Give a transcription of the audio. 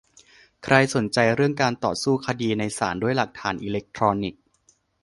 ใครสนใจเรื่องการต่อสู้คดีในศาลด้วยหลักฐานอิเล็กทรอนิกส์